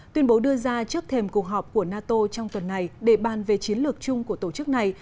tuyên bố đưa ra trước thềm cuộc họp của nato trong tuần này để bàn về chiến lược chung của tổ chức này